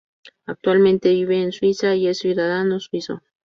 Actualmente vive en Suiza y es ciudadano suizo.